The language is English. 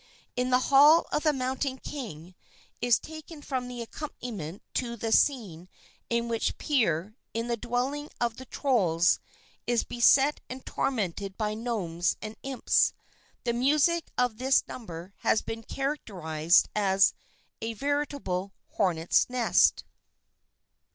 "In the Hall of the Mountain King" is taken from the accompaniment to the scene in which Peer, in the dwelling of the trolls, is beset and tormented by gnomes and imps. The music of this number has been characterized as "a veritable hornets' nest."